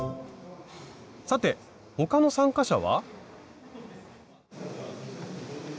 さて他の参加者は？